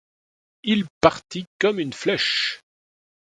Il partit comme une flèche.